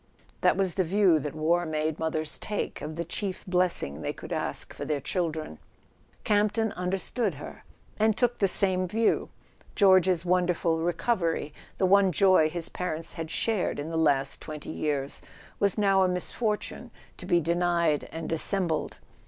That was the view that war made mothers take of the chief bless¬ ing they could ask for their children! Campton under¬ stood her, and took the same view. George's wonderful recovery, the one joy his parents had shared in the last twenty years, was now a misfortune to be denied and dissembled.